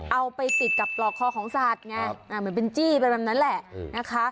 เอาไปติดกับปลอกคอของสัตว์ไงเหมือนเป็นจี้ไปแบบนั้นแหละนะคะ